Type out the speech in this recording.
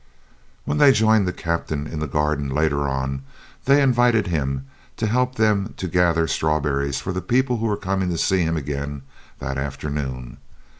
When they joined the Captain in the garden later on they invited him to help them to gather strawberries for the people who were coming to see him again that afternoon.